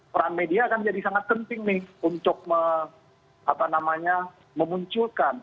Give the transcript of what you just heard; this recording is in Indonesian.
peran media kan jadi sangat penting nih untuk memunculkan